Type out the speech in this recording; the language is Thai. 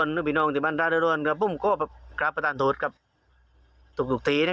ไปปักปีนองทางร่วงนี้และสามหญิงด้วย